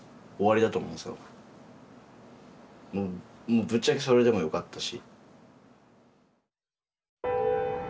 もうぶっちゃけそれでもよかったし。